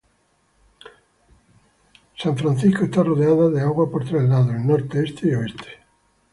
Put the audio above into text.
San Francisco está rodeada de agua por tres lados: el norte, este y oeste.